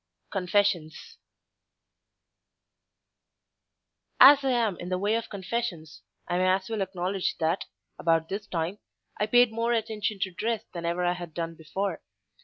CONFESSIONS As I am in the way of confessions I may as well acknowledge that, about this time, I paid more attention to dress than ever I had done before.